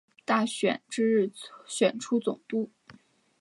波多黎各人在美国总统大选同一日选出总督。